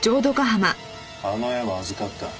あの絵は預かった。